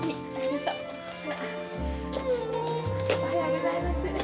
おはようございます。